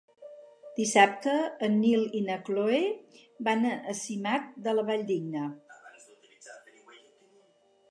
Dissabte en Nil i na Cloè van a Simat de la Valldigna.